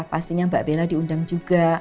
pastinya mbak bella diundang juga